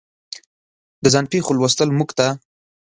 د ځان پېښو لوستل موږ ته